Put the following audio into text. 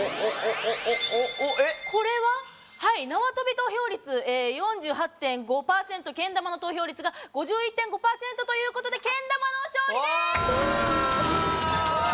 これは、なわとび投票率４８．５％。けん玉の投票率が５１．５％ということでけん玉の勝利です！